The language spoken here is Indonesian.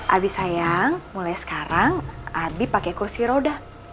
abi sayang mulai sekarang abi pakai kursi roda